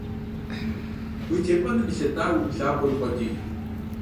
Уи тепӏэным елъытауэ, уи лъакъуэр укъуэдий.